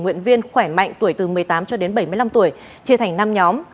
nguyện viên khỏe mạnh tuổi từ một mươi tám bảy mươi năm tuổi chia thành năm nhóm